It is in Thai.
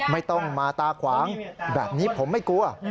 ไม่ต้องมาตาขวางแบบนี้ผมไม่กลัว